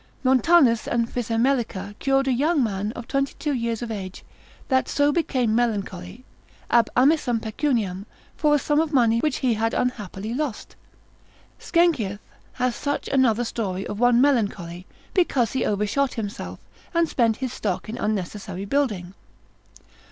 Montanus and Frisemelica cured a young man of 22 years of age, that so became melancholy, ab amissam pecuniam, for a sum of money which he had unhappily lost. Sckenkius hath such another story of one melancholy, because he overshot himself, and spent his stock in unnecessary building.